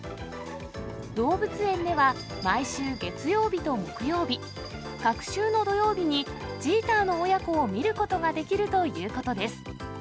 動物園では、毎週月曜日と木曜日、隔週の土曜日にチーターの親子を見ることができるということです。